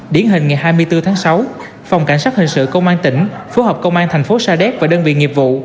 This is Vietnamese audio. điển hình ngày hai mươi bốn tháng sáu phòng cảnh sát hình sự công an tỉnh phối hợp công an thành phố sa đéc và đơn vị nghiệp vụ